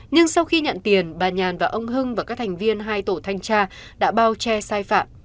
nhưng sau khi nhận tiền bà nhàn và ông hưng và các thành viên hai tổ thanh tra đã bao che sai phạm